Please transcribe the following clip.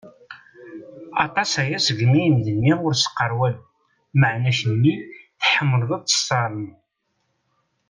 Aṭas-aya seg mi i m-d-nniɣ ur s-qqaṛ walu, meƐna kemmi tḥemmleɣ ad tt-tesƐelmeḍ.